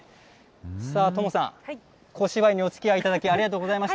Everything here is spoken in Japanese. さあ、友さん、小芝居におつきあいいただきありがとうございました。